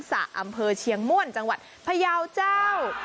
อำเภอเชียงม่วนจังหวัดพยาวเจ้า